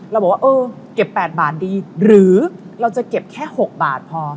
เราบอกว่าเออเก็บ๘บาทดีหรือเราจะเก็บแค่๖บาทพอ